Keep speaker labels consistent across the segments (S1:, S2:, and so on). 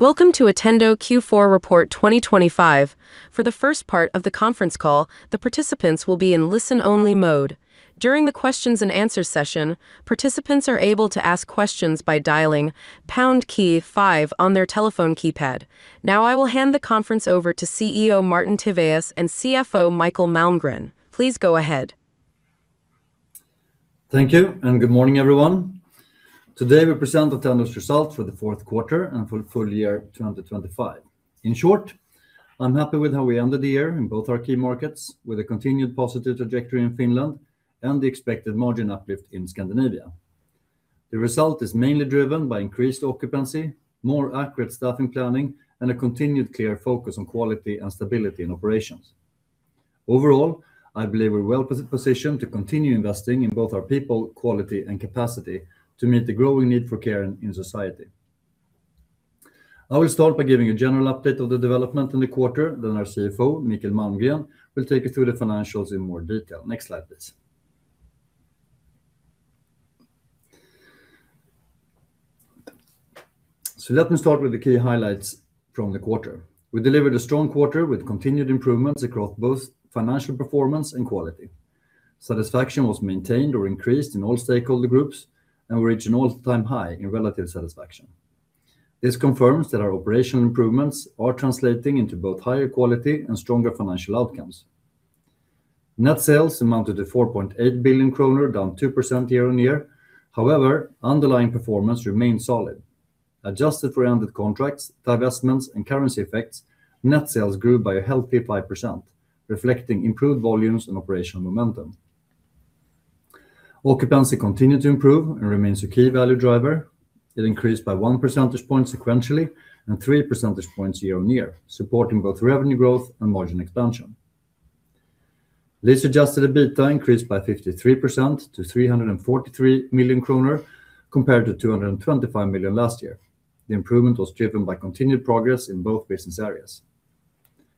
S1: Welcome to Attendo Q4 Report 2025. For the first part of the conference call, the participants will be in listen-only mode. During the questions and answer session, participants are able to ask questions by dialing pound key five on their telephone keypad. Now, I will hand the conference over to CEO Martin Tivéus and CFO Mikael Malmgren. Please go ahead.
S2: Thank you, and good morning, everyone. Today, we present Attendo's results for the fourth quarter and for full year 2025. In short, I'm happy with how we ended the year in both our key markets, with a continued positive trajectory in Finland and the expected margin uplift in Scandinavia. The result is mainly driven by increased occupancy, more accurate staffing planning, and a continued clear focus on quality and stability in operations. Overall, I believe we're well positioned to continue investing in both our people, quality, and capacity to meet the growing need for care in society. I will start by giving a general update of the development in the quarter, then our CFO, Mikael Malmgren, will take you through the financials in more detail. Next slide, please. So let me start with the key highlights from the quarter. We delivered a strong quarter with continued improvements across both financial performance and quality. Satisfaction was maintained or increased in all stakeholder groups, and we reached an all-time high in relative satisfaction. This confirms that our operational improvements are translating into both higher quality and stronger financial outcomes. Net sales amounted to 4.8 billion kronor, down 2% year-on-year. However, underlying performance remained solid. Adjusted for ended contracts, divestments, and currency effects, net sales grew by a healthy 5%, reflecting improved volumes and operational momentum. Occupancy continued to improve and remains a key value driver. It increased by one percentage point sequentially and three percentage points year-on-year, supporting both revenue growth and margin expansion. lease-adjusted EBITDA increased by 53% to 343 million kronor, compared to 225 million last year. The improvement was driven by continued progress in both business areas.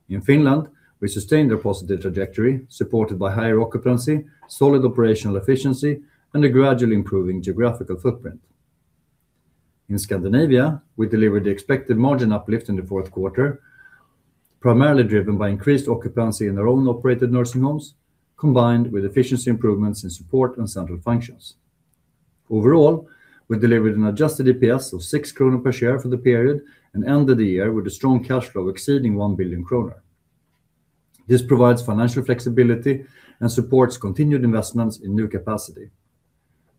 S2: In Finland, we sustained a positive trajectory, supported by higher occupancy, solid operational efficiency, and a gradually improving geographical footprint. In Scandinavia, we delivered the expected margin uplift in the fourth quarter, primarily driven by increased occupancy in our own-operated nursing homes, combined with efficiency improvements in support and central functions. Overall, we delivered an adjusted EPS of 6 kronor per share for the period and ended the year with a strong cash flow exceeding 1 billion kronor. This provides financial flexibility and supports continued investments in new capacity.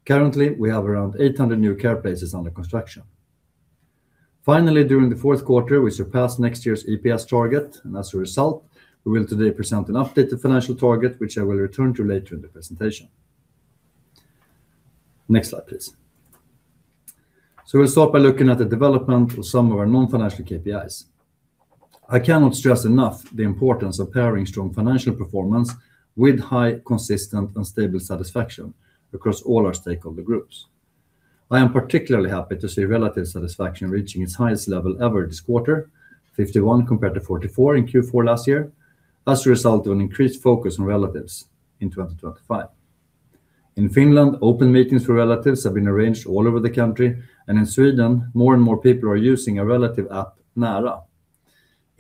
S2: Currently, we have around 800 new care places under construction. Finally, during the fourth quarter, we surpassed next year's EPS target, and as a result, we will today present an updated financial target, which I will return to later in the presentation. Next slide, please. We'll start by looking at the development of some of our non-financial KPIs. I cannot stress enough the importance of pairing strong financial performance with high, consistent, and stable satisfaction across all our stakeholder groups. I am particularly happy to see relative satisfaction reaching its highest level ever this quarter, 51 compared to 44 in Q4 last year, as a result of an increased focus on relatives in 2025. In Finland, open meetings for relatives have been arranged all over the country, and in Sweden, more and more people are using a relative app, Nära.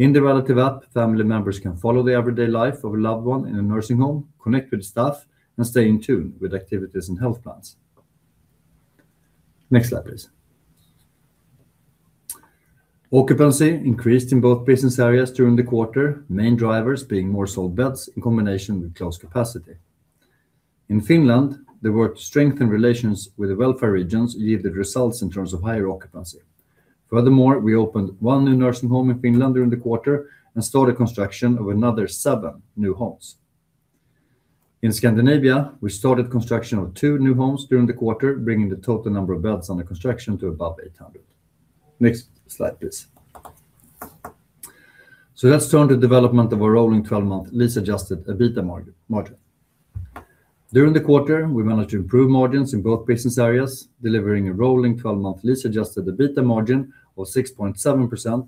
S2: In the relative app, family members can follow the everyday life of a loved one in a nursing home, connect with staff, and stay in tune with activities and health plans. Next slide, please. Occupancy increased in both business areas during the quarter, main drivers being more sold beds in combination with closed capacity. In Finland, there were strengthened relations with the welfare regions, which yielded results in terms of higher occupancy. Furthermore, we opened one new nursing home in Finland during the quarter and started construction of another seven new homes. In Scandinavia, we started construction of two new homes during the quarter, bringing the total number of beds under construction to above 800. Next slide, please. So let's turn to the development of our rolling 12-month lease-adjusted EBITDA margin. During the quarter, we managed to improve margins in both business areas, delivering a rolling 12-month lease-adjusted EBITDA margin of 6.7%,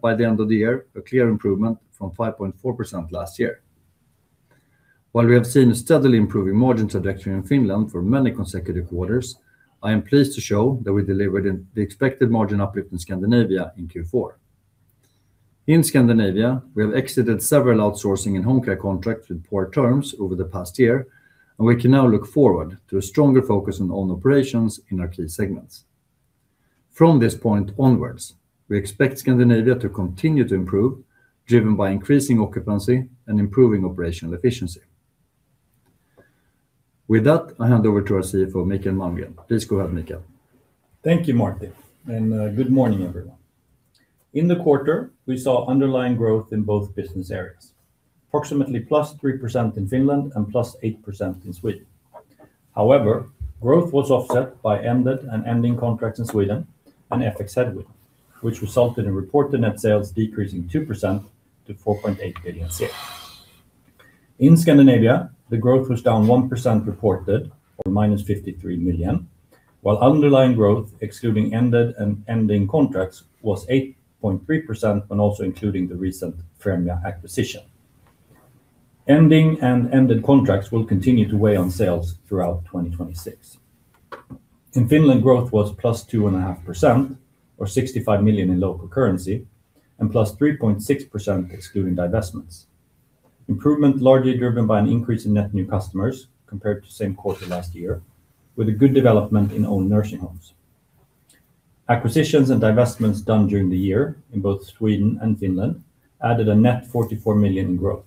S2: by the end of the year, a clear improvement from 5.4% last year. While we have seen a steadily improving margin trajectory in Finland for many consecutive quarters, I am pleased to show that we delivered in the expected margin uplift in Scandinavia in Q4. In Scandinavia, we have exited several outsourcing and home care contracts with poor terms over the past year, and we can now look forward to a stronger focus on own operations in our key segments. From this point onwards, we expect Scandinavia to continue to improve, driven by increasing occupancy and improving operational efficiency. With that, I hand over to our CFO, Mikael Malmgren. Please go ahead, Mikael.
S3: Thank you, Martin, and good morning, everyone. In the quarter, we saw underlying growth in both business areas, approximately +3% in Finland and +8% in Sweden. However, growth was offset by ended and ending contracts in Sweden and FX headwind, which resulted in reported net sales decreasing 2% to 4.8 billion. In Scandinavia, the growth was down 1% reported, or -53 million, while underlying growth, excluding ended and ending contracts, was 8.3%, and also including the recent Främja acquisition.... Ending and ended contracts will continue to weigh on sales throughout 2026. In Finland, growth was +2.5%, or 65 million in local currency, and +3.6% excluding divestments. Improvement largely driven by an increase in net new customers compared to same quarter last year, with a good development in own nursing homes. Acquisitions and divestments done during the year in both Sweden and Finland added a net 44 million in growth.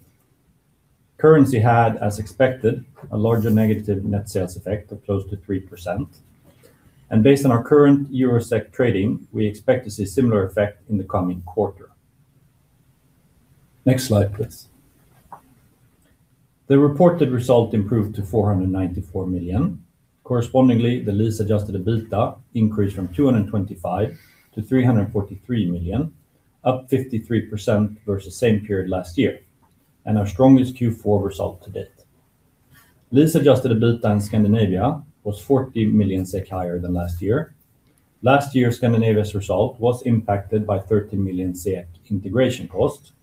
S3: Currency had, as expected, a larger negative net sales effect of close to 3%, and based on our current EUR/SEK trading, we expect to see similar effect in the coming quarter. Next slide, please. The reported result improved to 494 million. Correspondingly, the lease-adjusted EBITDA increased from 225 million to 343 million, up 53% versus same period last year, and our strongest Q4 result to date. lease-adjusted EBITDA in Scandinavia was 40 million SEK higher than last year. Last year, Scandinavia's result was impacted by 13 million SEK integration cost.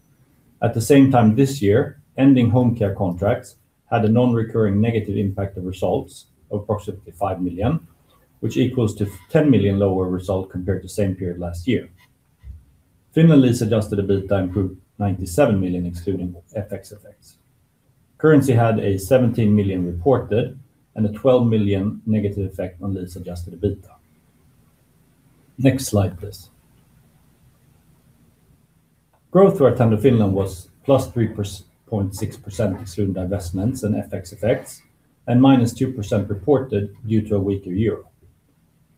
S3: At the same time this year, ending home care contracts had a non-recurring negative impact on results of approximately 5 million, which equals to 10 million lower result compared to same period last year. Finland lease-adjusted EBITDA improved 97 million, excluding FX effects. Currency had a 17 million reported and a 12 million negative effect on lease-adjusted EBITDA. Next slide, please. Growth for Attendo Finland was +3.6%, excluding divestments and FX effects, and -2% reported due to a weaker Euro.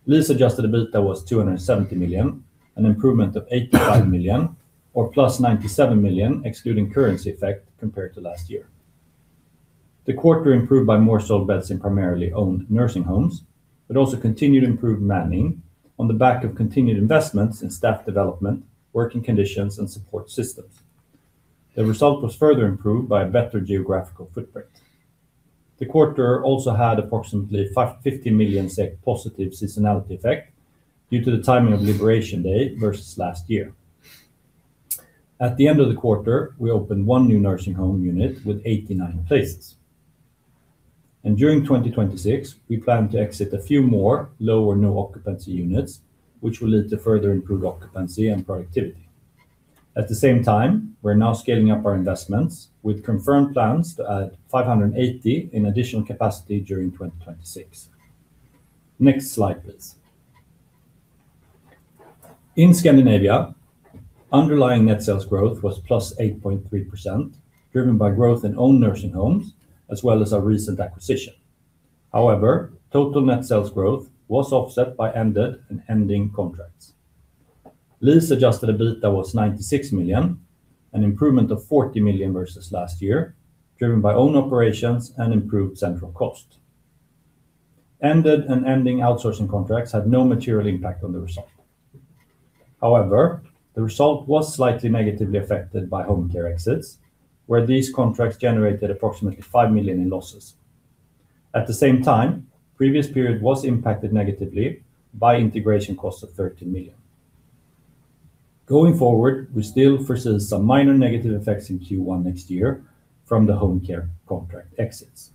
S3: lease-adjusted EBITDA was 270 million, an improvement of 85 million, or +97 million, excluding currency effect compared to last year. The quarter improved by more sold beds in primarily owned nursing homes, but also continued improved manning on the back of continued investments in staff development, working conditions, and support systems. The result was further improved by a better geographical footprint. The quarter also had approximately 50 million positive seasonality effect due to the timing of Liberation Day versus last year. At the end of the quarter, we opened one new nursing home unit with 89 places. And during 2026, we plan to exit a few more low or no occupancy units, which will lead to further improved occupancy and productivity. At the same time, we're now scaling up our investments with confirmed plans to add 580 in additional capacity during 2026. Next slide, please. In Scandinavia, underlying net sales growth was +8.3%, driven by growth in own nursing homes, as well as our recent acquisition. However, total net sales growth was offset by ended and ending contracts. lease-adjusted EBITDA was 96 million, an improvement of 40 million versus last year, driven by own operations and improved central cost. Ended and ending outsourcing contracts had no material impact on the result. However, the result was slightly negatively affected by home care exits, where these contracts generated approximately 5 million in losses. At the same time, previous period was impacted negatively by integration costs of 13 million. Going forward, we still foresee some minor negative effects in Q1 next year from the home care contract exits.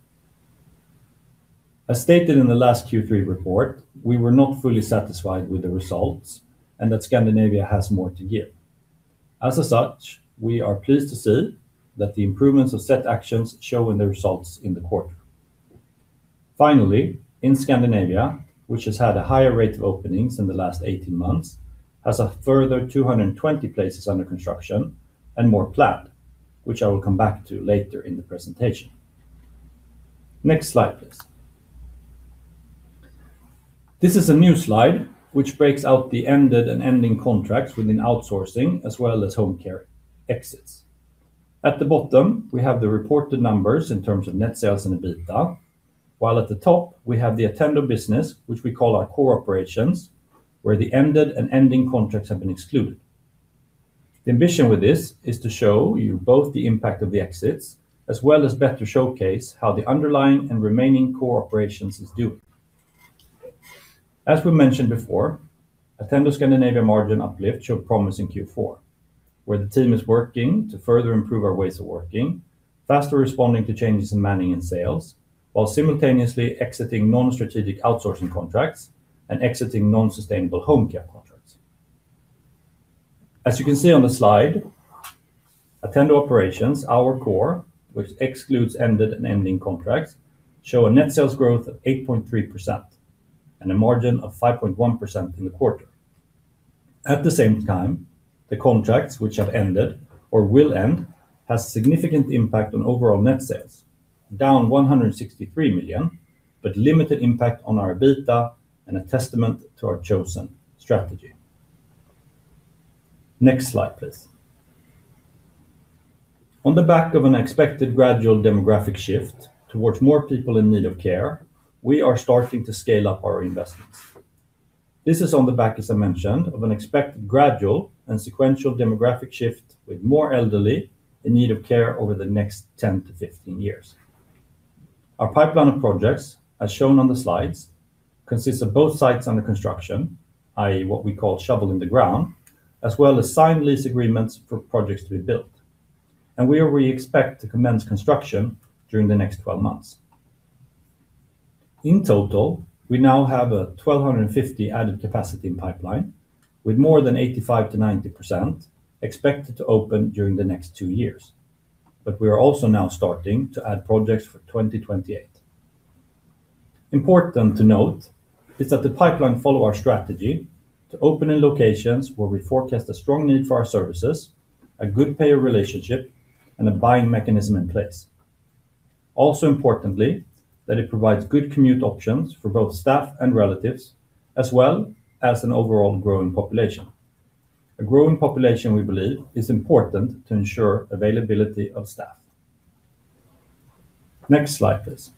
S3: As stated in the last Q3 report, we were not fully satisfied with the results, and that Scandinavia has more to give. As such, we are pleased to see that the improvements of set actions show in the results in the quarter. Finally, in Scandinavia, which has had a higher rate of openings in the last 18 months, has a further 220 places under construction and more planned, which I will come back to later in the presentation. Next slide, please. This is a new slide, which breaks out the ended and ending contracts within outsourcing, as well as home care exits. At the bottom, we have the reported numbers in terms of net sales and EBITDA, while at the top we have the Attendo business, which we call our core operations, where the ended and ending contracts have been excluded. The ambition with this is to show you both the impact of the exits, as well as better showcase how the underlying and remaining core operations is doing. As we mentioned before, Attendo Scandinavia margin uplift showed promise in Q4, where the team is working to further improve our ways of working, faster responding to changes in manning and sales, while simultaneously exiting non-strategic outsourcing contracts and exiting non-sustainable home care contracts. As you can see on the slide, Attendo operations, our core, which excludes ended and ending contracts, show a net sales growth of 8.3% and a margin of 5.1% in the quarter. At the same time, the contracts which have ended or will end has significant impact on overall net sales, down 163 million, but limited impact on our EBITDA and a testament to our chosen strategy. Next slide, please. On the back of an expected gradual demographic shift towards more people in need of care, we are starting to scale up our investments. This is on the back, as I mentioned, of an expected gradual and sequential demographic shift, with more elderly in need of care over the next 10-15 years.... Our pipeline of projects, as shown on the slides, consists of both sites under construction, i.e., what we call shovel in the ground, as well as signed lease agreements for projects to be built, and where we expect to commence construction during the next 12 months. In total, we now have a 1,250 added capacity in pipeline, with more than 85%-90% expected to open during the next two years. But we are also now starting to add projects for 2028. Important to note is that the pipeline follow our strategy to open in locations where we forecast a strong need for our services, a good payer relationship, and a buying mechanism in place. Also importantly, that it provides good commute options for both staff and relatives, as well as an overall growing population. A growing population, we believe, is important to ensure availability of staff. Next slide, please.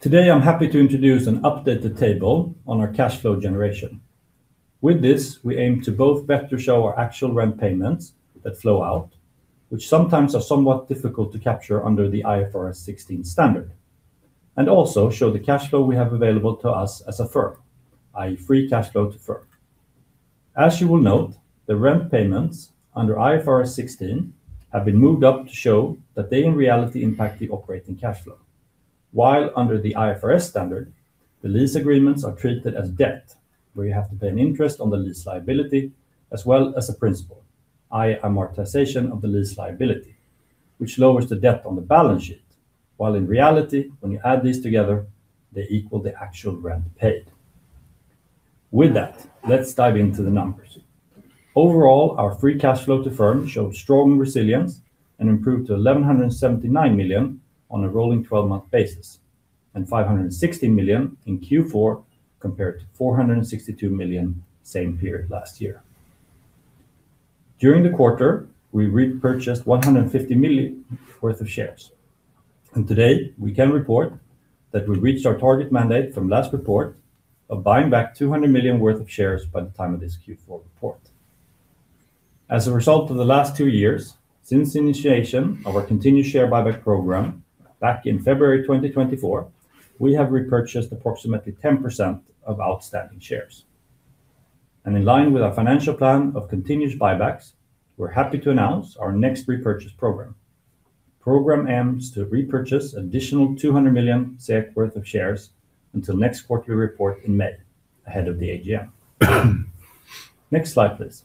S3: Today, I'm happy to introduce an updated table on our cash flow generation. With this, we aim to both better show our actual rent payments that flow out, which sometimes are somewhat difficult to capture under the IFRS 16 standard, and also show the cash flow we have available to us as a firm, i.e., free cash flow to firm. As you will note, the rent payments under IFRS 16 have been moved up to show that they, in reality, impact the operating cash flow. While under the IFRS standard, the lease agreements are treated as debt, where you have to pay an interest on the lease liability as well as a principal, i.e., amortization of the lease liability, which lowers the debt on the balance sheet, while in reality, when you add these together, they equal the actual rent paid. With that, let's dive into the numbers. Overall, our free cash flow to firm shows strong resilience and improved to 1,179 million on a rolling twelve-month basis, and 560 million in Q4, compared to 462 million, same period last year. During the quarter, we repurchased 150 million worth of shares, and today, we can report that we reached our target mandate from last report of buying back 200 million worth of shares by the time of this Q4 report. As a result of the last two years, since the initiation of our continued share buyback program back in February 2024, we have repurchased approximately 10% of outstanding shares. In line with our financial plan of continuous buybacks, we're happy to announce our next repurchase program. Program aims to repurchase additional 200 million SEK worth of shares until next quarterly report in May, ahead of the AGM. Next slide, please.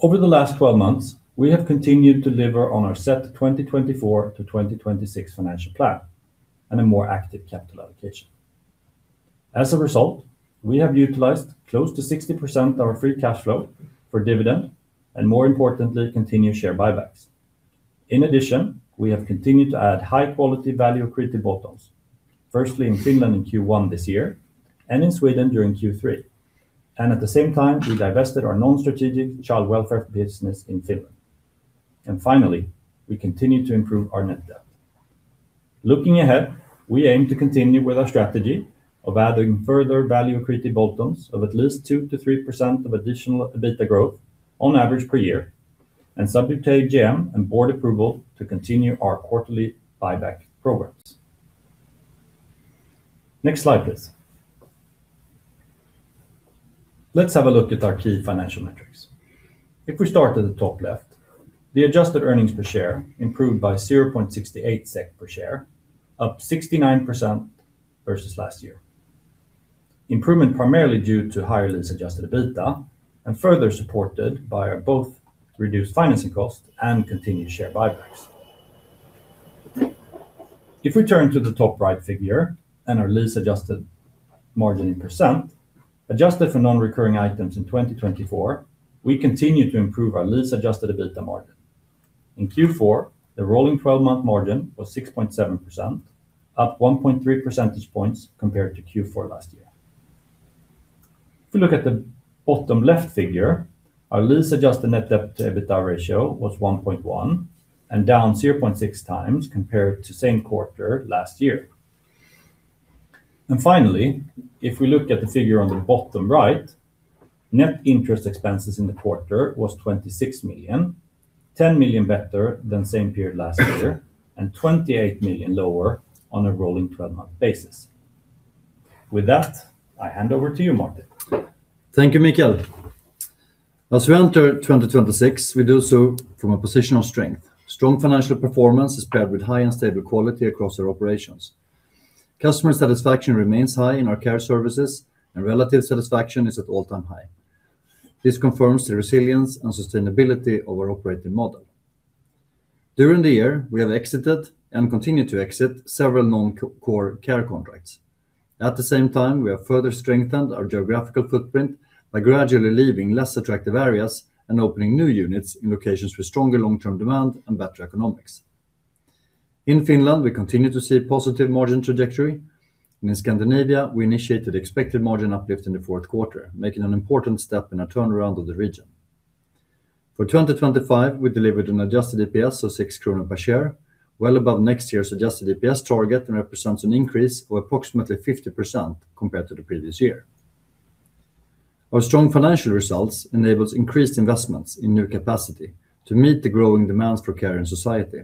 S3: Over the last 12 months, we have continued to deliver on our set 2024 to 2026 financial plan and a more active capital allocation. As a result, we have utilized close to 60% of our free cash flow for dividend, and more importantly, continued share buybacks. In addition, we have continued to add high-quality, value-accretive add-ons. Firstly, in Finland in Q1 this year, and in Sweden during Q3, and at the same time, we divested our non-strategic child welfare business in Finland. Finally, we continued to improve our net debt. Looking ahead, we aim to continue with our strategy of adding further value-accretive bolt-ons of at least 2%-3% of additional EBITDA growth on average per year, and subject to AGM and board approval to continue our quarterly buyback programs. Next slide, please. Let's have a look at our key financial metrics. If we start at the top left, the adjusted earnings per share improved by 0.68 SEK per share, up 69% versus last year. Improvement primarily due to higher lease-adjusted EBITDA, and further supported by both reduced financing cost and continued share buybacks. If we turn to the top right figure and our lease-adjusted margin in percent, adjusted for non-recurring items in 2024, we continued to improve our lease-adjusted EBITDA margin. In Q4, the rolling twelve-month margin was 6.7%, up 1.3 percentage points compared to Q4 last year. If you look at the bottom left figure, our lease-adjusted net debt to EBITDA ratio was 1.1 and down 0.6 times compared to same quarter last year. Finally, if we look at the figure on the bottom right, net interest expenses in the quarter was 26 million, 10 million better than same period last year, and 28 million lower on a rolling 12-month basis. With that, I hand over to you, Martin.
S2: Thank you, Mikael. As we enter 2026, we do so from a position of strength. Strong financial performance is paired with high and stable quality across our operations. Customer satisfaction remains high in our care services, and relative satisfaction is at all-time high. This confirms the resilience and sustainability of our operating model. During the year, we have exited and continued to exit several non-core care contracts. At the same time, we have further strengthened our geographical footprint by gradually leaving less attractive areas and opening new units in locations with stronger long-term demand and better economics. In Finland, we continue to see a positive margin trajectory, and in Scandinavia, we initiated expected margin uplift in the fourth quarter, making an important step in a turnaround of the region. For 2025, we delivered an adjusted EPS of 6 krona per share, well above next year's adjusted EPS target, and represents an increase of approximately 50% compared to the previous year. Our strong financial results enables increased investments in new capacity to meet the growing demands for care in society.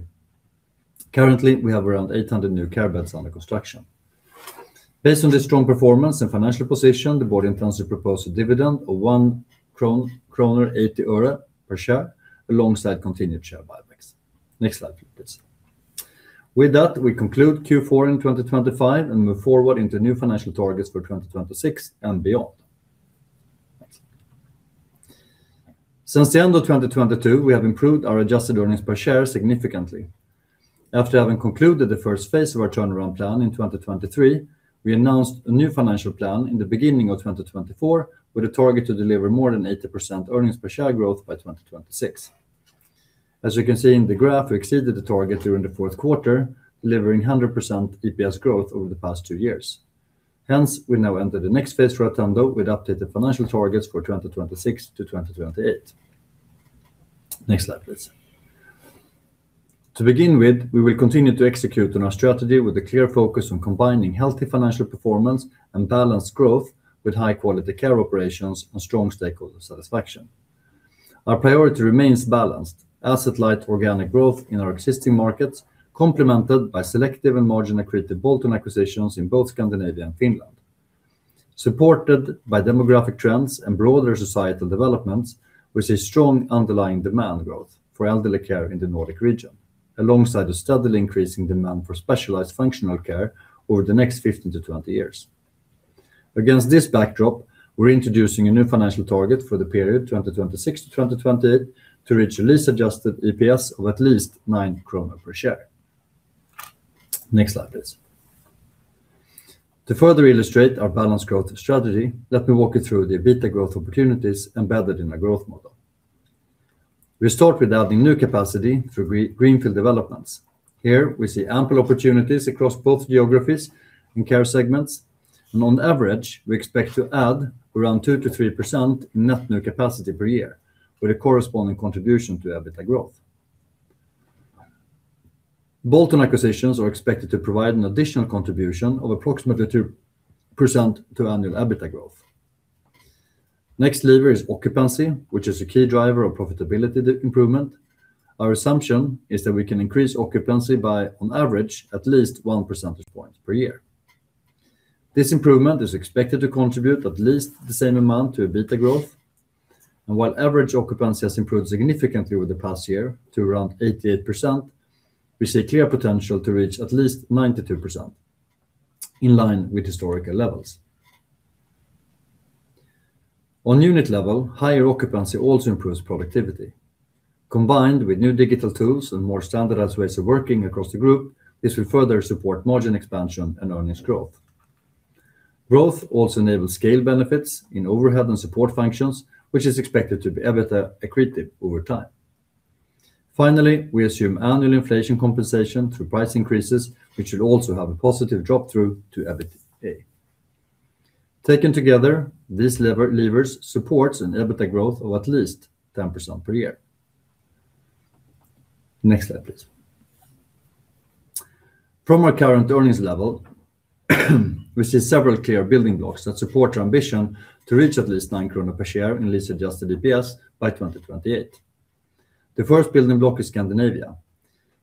S2: Currently, we have around 800 new care beds under construction. Based on this strong performance and financial position, the board intends to propose a dividend of 1.80 SEK per share, alongside continued share buybacks. Next slide, please. With that, we conclude Q4 in 2025 and move forward into new financial targets for 2026 and beyond. Thanks. Since the end of 2022, we have improved our adjusted earnings per share significantly. After having concluded the first phase of our turnaround plan in 2023, we announced a new financial plan in the beginning of 2024, with a target to deliver more than 80% earnings per share growth by 2026. As you can see in the graph, we exceeded the target during the fourth quarter, delivering 100% EPS growth over the past 2 years. Hence, we now enter the next phase for Attendo with updated financial targets for 2026-2028. Next slide, please. To begin with, we will continue to execute on our strategy with a clear focus on combining healthy financial performance and balanced growth, with high-quality care operations and strong stakeholder satisfaction. Our priority remains balanced: asset-light, organic growth in our existing markets, complemented by selective and margin-accretive bolt-on acquisitions in both Scandinavia and Finland. Supported by demographic trends and broader societal developments, we see strong underlying demand growth for elderly care in the Nordic region, alongside a steadily increasing demand for specialized functional care over the next 15-20 years. Against this backdrop, we're introducing a new financial target for the period 2026-2028 to reach a lease-adjusted EPS of at least 9 kronor per share. Next slide, please. To further illustrate our balanced growth strategy, let me walk you through the EBITDA growth opportunities embedded in our growth model. We start with adding new capacity through greenfield developments. Here, we see ample opportunities across both geographies and care segments, and on average, we expect to add around 2%-3% net new capacity per year, with a corresponding contribution to EBITDA growth. Bolt-on acquisitions are expected to provide an additional contribution of approximately 2% to annual EBITDA growth. Next lever is occupancy, which is a key driver of profitability improvement. Our assumption is that we can increase occupancy by, on average, at least one percentage point per year. This improvement is expected to contribute at least the same amount to EBITDA growth, and while average occupancy has improved significantly over the past year to around 88%, we see clear potential to reach at least 92%, in line with historical levels. On unit level, higher occupancy also improves productivity. Combined with new digital tools and more standardized ways of working across the group, this will further support margin expansion and earnings growth. Growth also enables scale benefits in overhead and support functions, which is expected to be EBITDA accretive over time. Finally, we assume annual inflation compensation through price increases, which should also have a positive drop-through to EBITDA. Taken together, these levers supports an EBITDA growth of at least 10% per year. Next slide, please. From our current earnings level, we see several clear building blocks that support our ambition to reach at least 9 kronor per share in lease-adjusted EPS by 2028. The first building block is Scandinavia.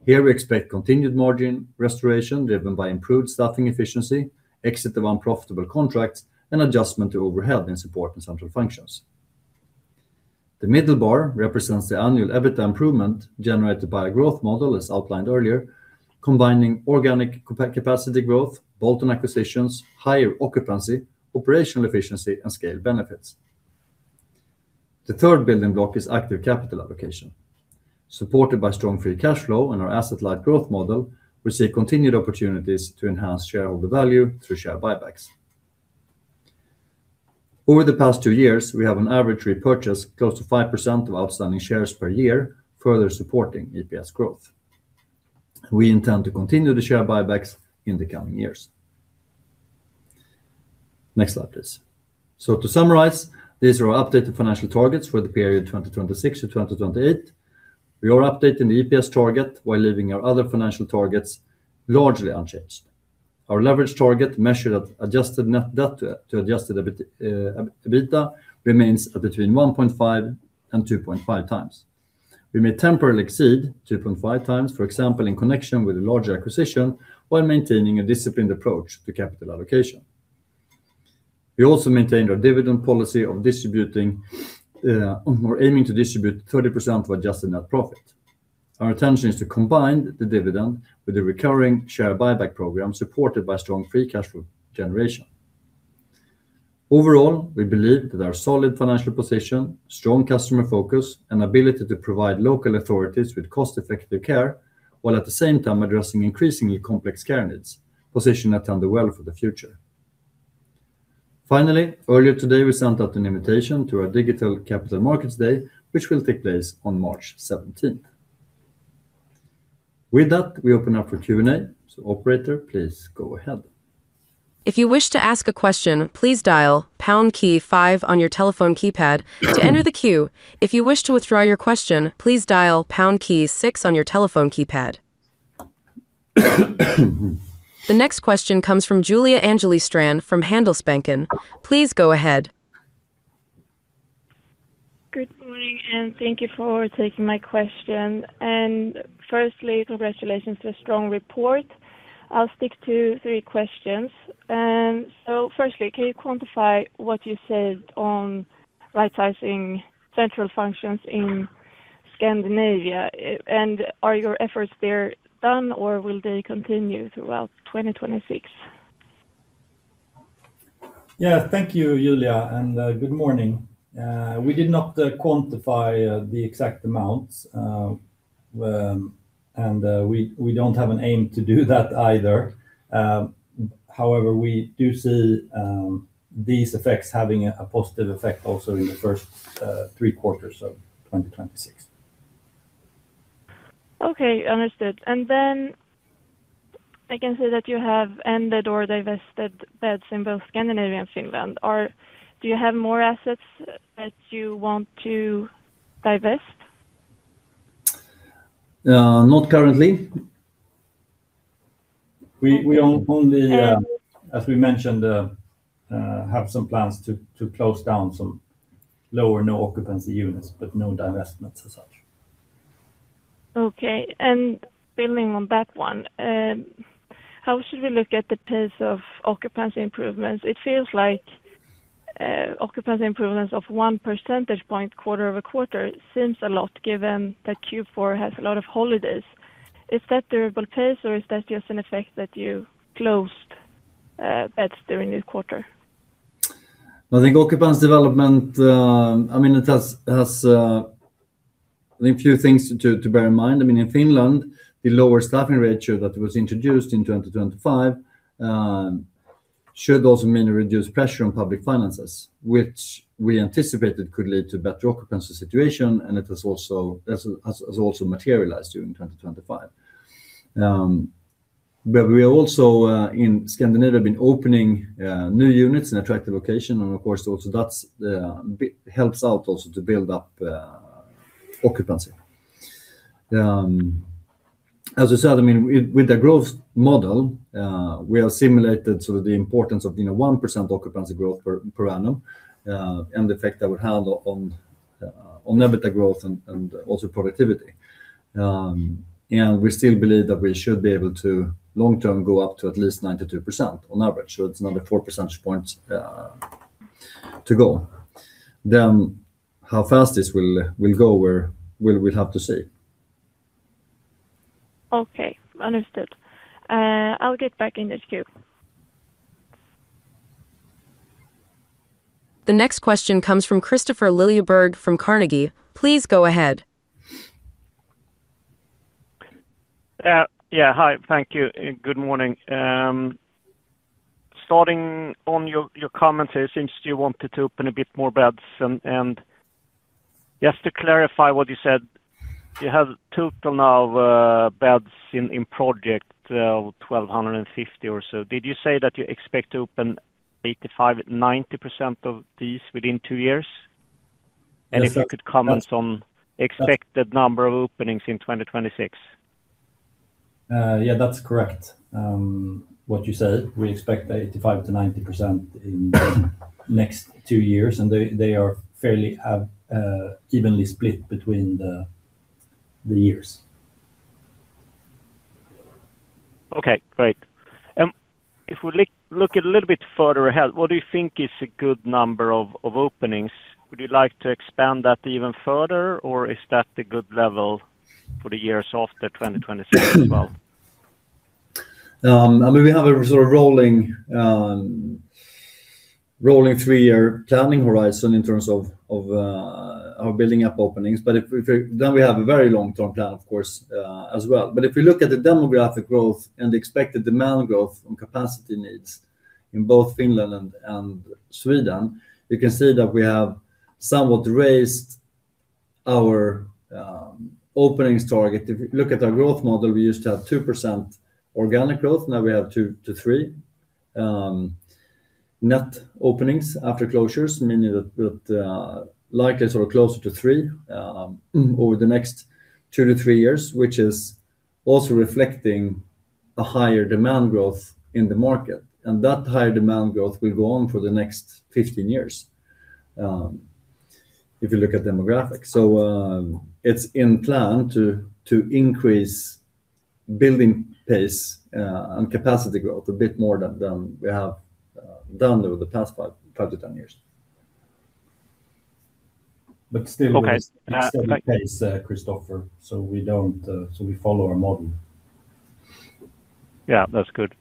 S2: Here, we expect continued margin restoration, driven by improved staffing efficiency, exit of unprofitable contracts, and adjustment to overhead in support and central functions. The middle bar represents the annual EBITDA improvement generated by our growth model, as outlined earlier, combining organic capacity growth, bolt-on acquisitions, higher occupancy, operational efficiency, and scale benefits. The third building block is active capital allocation. Supported by strong free cash flow and our asset-light growth model, we see continued opportunities to enhance shareholder value through share buybacks. Over the past two years, we have on average repurchased close to 5% of outstanding shares per year, further supporting EPS growth. We intend to continue the share buybacks in the coming years. Next slide, please. So to summarize, these are our updated financial targets for the period 2026-2028. We are updating the EPS target while leaving our other financial targets largely unchanged. Our leverage target, measured at adjusted net debt to adjusted EBITDA, remains at between 1.5 and 2.5 times. We may temporarily exceed 2.5 times, for example, in connection with a larger acquisition, while maintaining a disciplined approach to capital allocation. We also maintained our dividend policy of distributing, or aiming to distribute 30% of adjusted net profit. Our intention is to combine the dividend with a recurring share buyback program, supported by strong free cash flow generation. Overall, we believe that our solid financial position, strong customer focus, and ability to provide local authorities with cost-effective care, while at the same time addressing increasingly complex care needs, position Attendo well for the future. Finally, earlier today, we sent out an invitation to our digital Capital Markets Day, which will take place on March seventeenth. With that, we open up for Q&A. So operator, please go ahead.
S1: If you wish to ask a question, please dial pound key five on your telephone keypad to enter the queue. If you wish to withdraw your question, please dial pound key six on your telephone keypad. The next question comes from Julia Angeli Strand from Handelsbanken. Please go ahead.
S4: Good morning, and thank you for taking my question. Firstly, congratulations to a strong report. I'll stick to three questions. So firstly, can you quantify what you said on right-sizing central functions in Scandinavia? And are your efforts there done, or will they continue throughout 2026?
S2: Yeah, thank you, Julia, and good morning. We did not quantify the exact amounts, and we don't have an aim to do that either. However, we do see these effects having a positive effect also in the first three quarters of 2026.
S4: Okay, understood. And then I can see that you have ended or divested beds in both Scandinavia and Finland. Do you have more assets that you want to divest?
S2: Not currently. We only, as we mentioned, have some plans to close down some low or no occupancy units, but no divestments as such.
S4: Okay, and building on that one, how should we look at the pace of occupancy improvements? It feels like, occupancy improvements of one percentage point quarter-over-quarter seems a lot, given that Q4 has a lot of holidays. Is that durable pace, or is that just an effect that you closed, beds during this quarter?
S2: I think occupancy development, I mean, it has... There are a few things to bear in mind. I mean, in Finland, the lower staffing ratio that was introduced in 2025 should also mean a reduced pressure on public finances, which we anticipated could lead to better occupancy situation, and it has also materialized during 2025. But we are also in Scandinavia been opening new units in attractive location, and of course, also that helps out also to build up occupancy. As I said, I mean, with the growth model, we have simulated sort of the importance of, you know, 1% occupancy growth per annum, and the effect that would have on EBITDA growth and also productivity. We still believe that we should be able to long-term go up to at least 92% on average, so it's another four percentage points to go. How fast this will go, we'll have to see.
S4: Okay, understood. I'll get back in the queue.
S1: The next question comes from Kristofer Liljeberg from Carnegie. Please go ahead.
S5: Yeah, hi. Thank you, and good morning. Starting on your comments, it seems you wanted to open a bit more beds, and just to clarify what you said, you have total now of beds in project 1,250 or so. Did you say that you expect to open 85-90% of these within 2 years?
S2: Yes, sir.
S5: If you could comment on expected number of openings in 2026.
S2: Yeah, that's correct, what you said. We expect 85%-90% in the next two years, and they are fairly evenly split between the years.
S5: Okay, great. If we look a little bit further ahead, what do you think is a good number of openings? Would you like to expand that even further, or is that the good level for the years after 2026 as well?
S2: I mean, we have a sort of rolling, rolling 3-year planning horizon in terms of, of, our building up openings. But then we have a very long-term plan, of course, as well. But if we look at the demographic growth and the expected demand growth on capacity needs in both Finland and Sweden, you can see that we have somewhat raised our, openings target. If you look at our growth model, we used to have 2% organic growth, now we have 2-3, net openings after closures, meaning that, that, likeness or closer to 3, over the next 2-3 years, which is also reflecting a higher demand growth in the market. And that higher demand growth will go on for the next 15 years, if you look at demographics. It's in plan to increase building pace and capacity growth a bit more than we have done over the past 5-10 years. But still-
S5: Okay, thank you....
S2: Still the case, Kristofer, so we don't, so we follow our model.
S5: Yeah, that's good.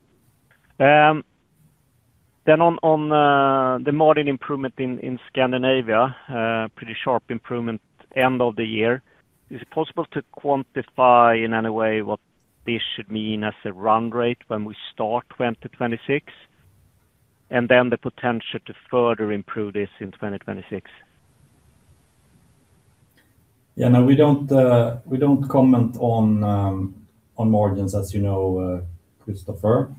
S5: Then on the margin improvement in Scandinavia, pretty sharp improvement end of the year. Is it possible to quantify in any way what this should mean as a run rate when we start 2026? And then the potential to further improve this in 2026.
S2: Yeah, no, we don't comment on margins as you know, Kristofer.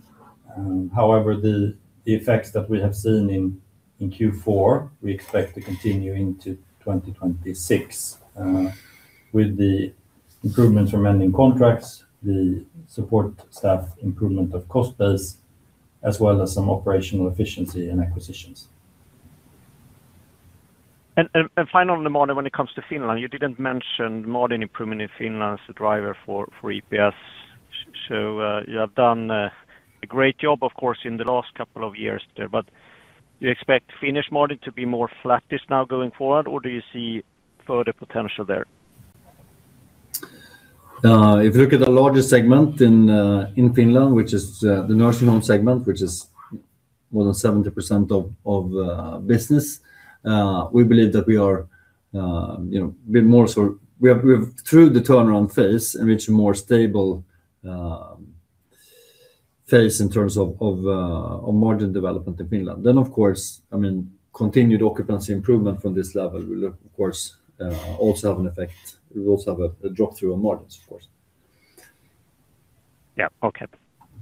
S2: However, the effects that we have seen in Q4, we expect to continue into 2026, with the improvements from ending contracts, the support staff improvement of cost base, as well as some operational efficiency and acquisitions.
S5: Final on the model, when it comes to Finland, you didn't mention margin improvement in Finland as a driver for EPS. So, you have done a great job, of course, in the last couple of years there, but do you expect Finnish margin to be more flattish now going forward, or do you see further potential there?
S2: If you look at the largest segment in Finland, which is the nursing home segment, which is more than 70% of business, we believe that we are, you know, a bit more so... We have through the turnaround phase and reach a more stable phase in terms of margin development in Finland. Then, of course, I mean, continued occupancy improvement from this level will, of course, also have an effect. It will also have a drop through on margins, of course.
S5: Yeah. Okay.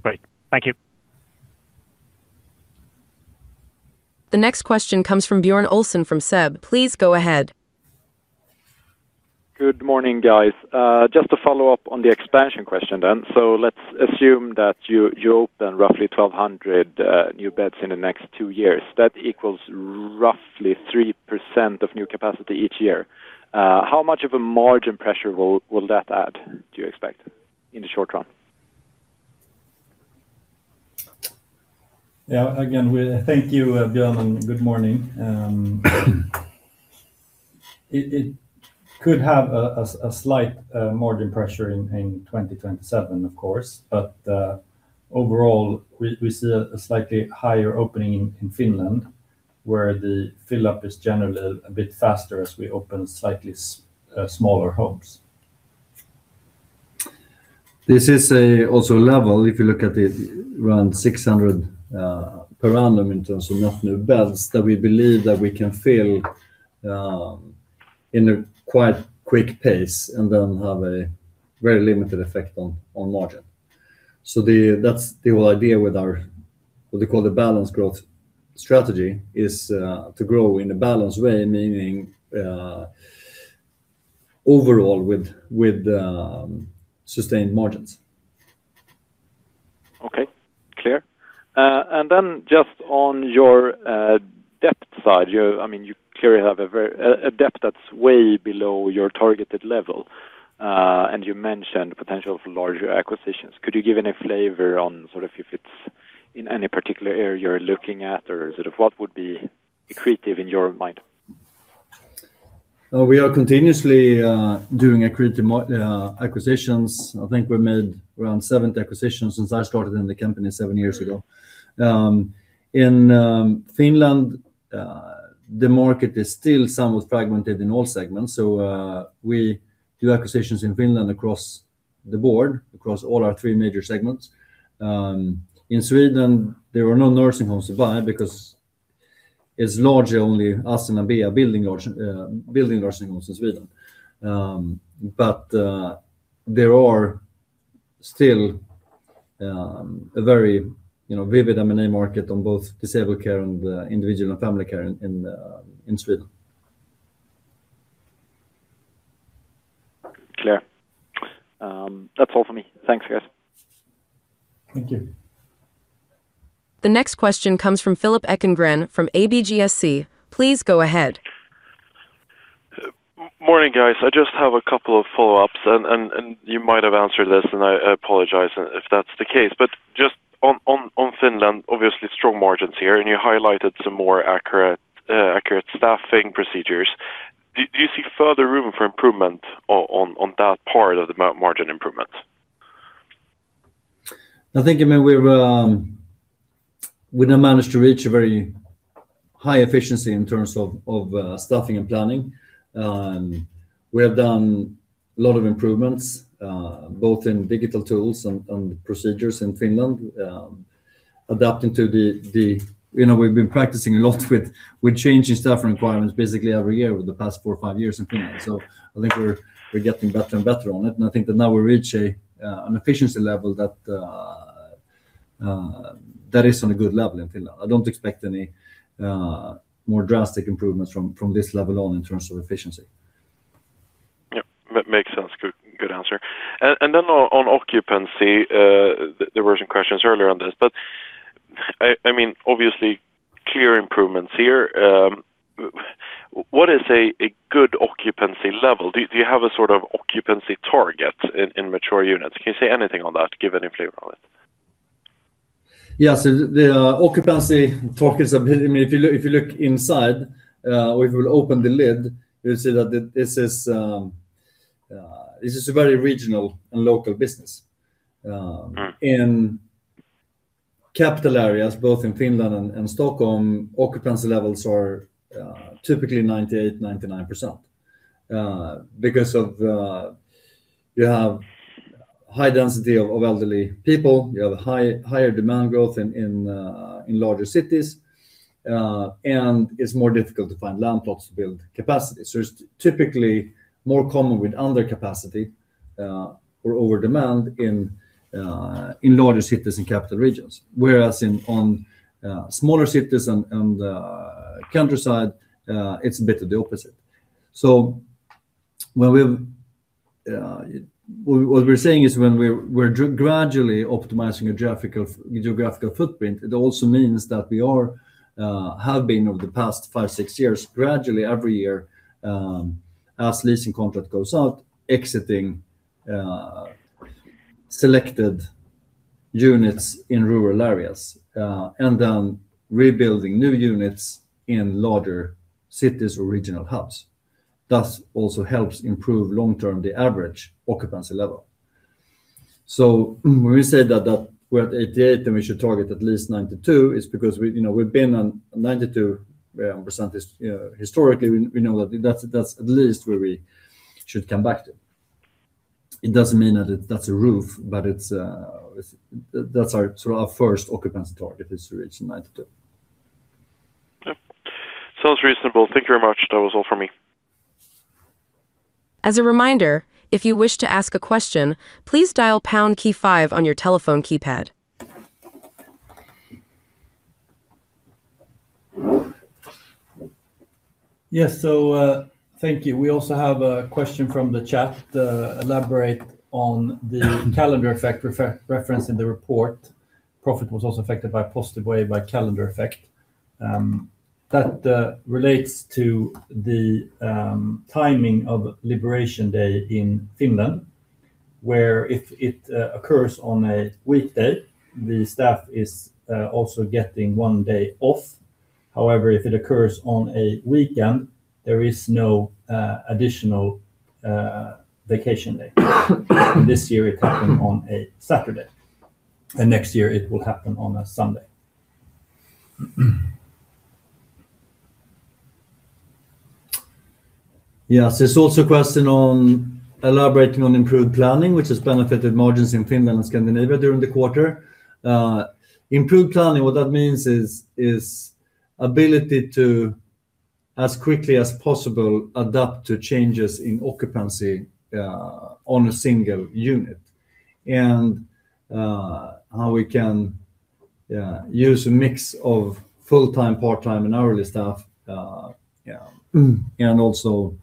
S5: Great. Thank you.
S1: The next question comes from Björn Olsen from SEB. Please go ahead.
S6: Good morning, guys. Just to follow up on the expansion question then. So let's assume that you open roughly 1,200 new beds in the next two years. That equals roughly 3% of new capacity each year. How much of a margin pressure will that add, do you expect in the short run?
S2: Yeah. Again, we thank you, Björn, and good morning. It could have a slight margin pressure in 2027, of course. But overall, we see a slightly higher opening in Finland, where the fill up is generally a bit faster as we open slightly smaller homes. This is also level, if you look at it, around 600 per annum in terms of net new beds, that we believe that we can fill in a quite quick pace, and then have a very limited effect on margin. So that's the whole idea with our, what we call the balanced growth strategy, is to grow in a balanced way, meaning overall with sustained margins.
S6: Okay, clear. And then just on your debt side, you, I mean, you clearly have a very... a debt that's way below your targeted level. And you mentioned the potential for larger acquisitions. Could you give any flavor on sort of if it's in any particular area you're looking at, or sort of what would be accretive in your mind?
S2: We are continuously doing accretive M&A acquisitions. I think we made around seventh acquisition since I started in the company seven years ago. In Finland, the market is still somewhat fragmented in all segments, so we do acquisitions in Finland across the board, across all our three major segments. In Sweden, there were no nursing homes to buy because it's largely only us and Ambea building nursing homes in Sweden. But there are still a very, you know, vivid M&A market on both disabled care and individual and family care in Sweden.
S6: Clear. That's all for me. Thanks, guys.
S2: Thank you.
S1: The next question comes from Philip Ekengren from ABGSC. Please go ahead.
S7: Morning, guys. I just have a couple of follow-ups, and you might have answered this, and I apologize if that's the case. But just on Finland, obviously, strong margins here, and you highlighted some more accurate, accurate staffing procedures. Do you see further room for improvement on that part of the margin improvement?
S2: I think, I mean, we've now managed to reach a very high efficiency in terms of staffing and planning. We have done a lot of improvements both in digital tools and procedures in Finland, adapting to the... You know, we've been practicing a lot with changing staff requirements basically every year over the past four or five years in Finland. So I think we're getting better and better on it, and I think that now we reach an efficiency level that is on a good level in Finland. I don't expect any more drastic improvements from this level on in terms of efficiency.
S7: Yep, that makes sense. Good, good answer. And then on occupancy, there were some questions earlier on this, but I mean, obviously, clear improvements here. What is a good occupancy level? Do you have a sort of occupancy target in mature units? Can you say anything on that, give any flavor on it?
S2: Yes, the occupancy focus of... I mean, if you look, if you look inside, or if you open the lid, you'll see that this is a very regional and local business.
S7: Right.
S2: In capital areas, both in Finland and Stockholm, occupancy levels are typically 98%-99%. Because you have high density of elderly people, you have higher demand growth in larger cities, and it's more difficult to find land plots to build capacity. So it's typically more common with under capacity or over demand in larger cities and capital regions. Whereas in smaller cities and countryside, it's a bit of the opposite. So when we've... What we're saying is when we're gradually optimizing geographical footprint, it also means that we have been over the past 5-6 years, gradually, every year, as leasing contract goes out, exiting selected units in rural areas, and then rebuilding new units in larger cities or regional hubs. Thus, also helps improve long-term, the average occupancy level. So when we say that we're at 88, and we should target at least 92, is because we, you know, we've been on 92% historically. We know that that's at least where we should come back to. It doesn't mean that that's a roof, but it's, it's, that's our, sort of, our first occupancy target is to reach 92.
S7: Yep. Sounds reasonable. Thank you very much. That was all for me.
S1: As a reminder, if you wish to ask a question, please dial pound key five on your telephone keypad.
S3: Yes, so, thank you. We also have a question from the chat, "Elaborate on the calendar effect referenced in the report. Profit was also affected by positive way by calendar effect." That relates to the timing of Liberation Day in Finland, where if it occurs on a weekday, the staff is also getting one day off. However, if it occurs on a weekend, there is no additional vacation day. This year, it happened on a Saturday, and next year it will happen on a Sunday.
S2: Yes, there's also a question on elaborating on improved planning, which has benefited margins in Finland and Scandinavia during the quarter. Improved planning, what that means is ability to, as quickly as possible, adapt to changes in occupancy on a single unit. And how we can use a mix of full-time, part-time, and hourly staff, yeah, and also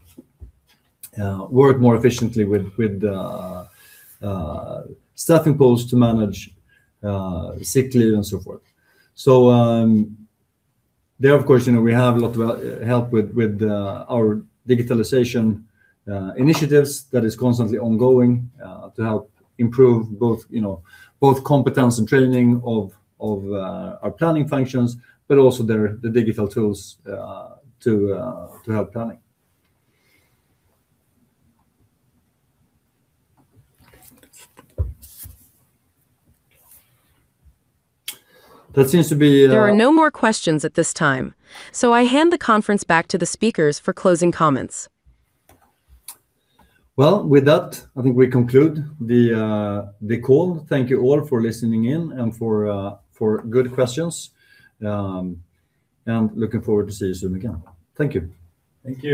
S2: work more efficiently with staffing pools to manage sick leave and so forth. So, there, of course, you know, we have a lot of help with our digitalization initiatives that is constantly ongoing to help improve both, you know, both competence and training of our planning functions, but also the digital tools to help planning. That seems to be
S1: There are no more questions at this time, so I hand the conference back to the speakers for closing comments.
S2: Well, with that, I think we conclude the call. Thank you all for listening in and for good questions. And looking forward to see you soon again. Thank you.
S3: Thank you.